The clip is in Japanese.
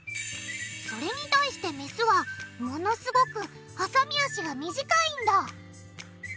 それに対してメスはものすごくはさみ脚が短いんだ！